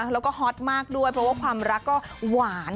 แล้วก็ฮอตมากด้วยเพราะว่าความรักก็หวาน